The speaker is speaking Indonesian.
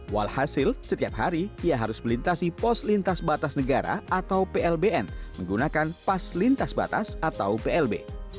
walhasil setiap hari ia harus melintasi pos lintas batas negara atau plbn menggunakan pas lintas batas atau plb